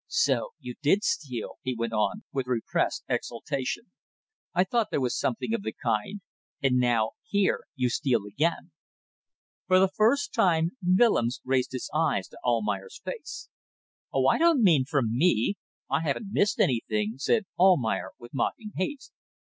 "So you did steal," he went on, with repressed exultation. "I thought there was something of the kind. And now, here, you steal again." For the first time Willems raised his eyes to Almayer's face. "Oh, I don't mean from me. I haven't missed anything," said Almayer, with mocking haste.